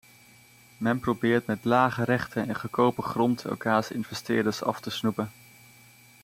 Men probeert met lage rechten en goedkope grond elkaars investeerders af te snoepen.